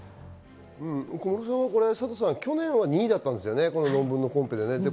小室さんは去年は２位だったんですよね、この論文のコンペで。